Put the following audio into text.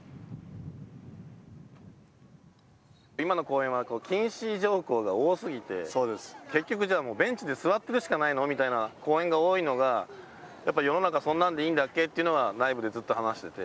今の公園は禁止条項が多すぎて、結局ベンチで座ってるしかないのみたいな公園が多いのが世の中そんなんでいいんだっけというのは、内部でずっと話していて。